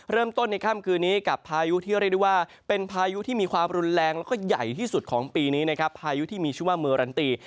เริ่มต้นในค่ำคืนนี้กับพายุที่เรียกได้ว่าเป็นพายุที่มีความรุนแรงแล้วก็ใหญ่ที่สุดของปีนี้นะครับพายุที่มีชื่อว่าเมอรันตี